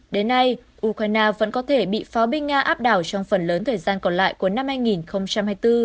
đến nay ukraine vẫn có thể bị pháo binh nga áp đảo trong phần lớn thời gian còn lại của năm hai nghìn hai mươi bốn